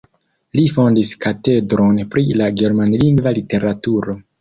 Li fondis katedron pri la germanlingva literaturo.